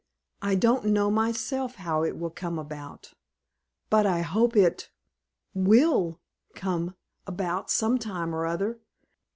"I don't know myself how it will come about, but I hope it will come about some time or other.